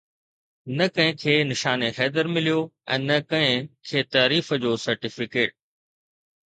نه ڪنهن کي نشان حيدر مليو ۽ نه ڪنهن کي تعريف جو سرٽيفڪيٽ